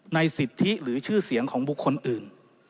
สิทธิหรือชื่อเสียงของบุคคลอื่น